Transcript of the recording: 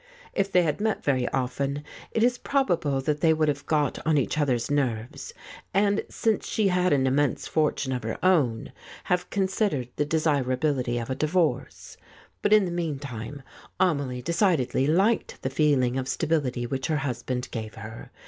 If they had met very often, it is probable that they would have got on each other's nerves, and, since she had an immense fortune of her own, have consid ered the desirability of a divorce; but in the mean time Amelie decidedly liked the feeling of stability which her husband gave her.